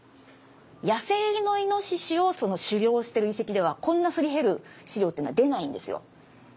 野生のイノシシを狩猟している遺跡ではこんなすり減る資料っていうのは出ないんですよ。